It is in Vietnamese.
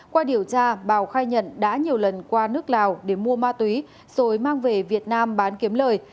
qua điều tra bào khai nhận đã nhiều lần qua nước lào để mua ma túy rồi mang về việt nam bán kiếm lời